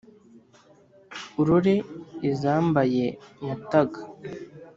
Urore izambaye Mutaga